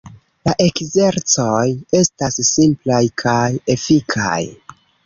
La ekzercoj estas simplaj kaj efikaj.